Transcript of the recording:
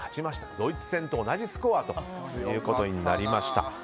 ドイツ戦と同じスコアとなりました。